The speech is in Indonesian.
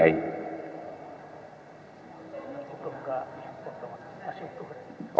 itu bukan potongan itu masih utuh